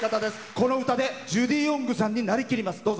この歌でジュディ・オングさんになりきります。